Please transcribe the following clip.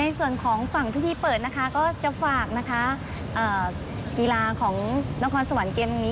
ในส่วนของฝั่งพิธีเปิดนะคะก็จะฝากนะคะกีฬาของนครสวรรค์เกมนี้